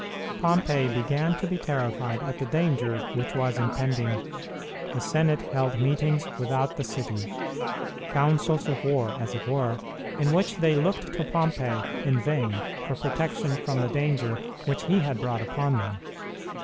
Pompey began to be terrified at the danger which was impending. The Senate held meetings without the city councils of war, as it were, in which they looked to Pompey in vain for protection from the danger which he had brought upon them.